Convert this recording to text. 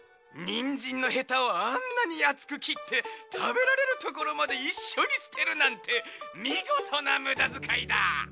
にんじんのヘタをあんなにあつくきってたべられるところまでいっしょにすてるなんてみごとなむだづかいだ！